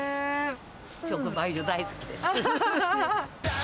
直売所、大好きです。